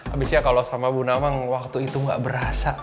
habisnya kalau sama bu nawang waktu itu gak berasa